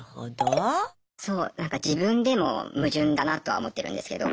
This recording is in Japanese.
そうなんか自分でも矛盾だなとは思ってるんですけど。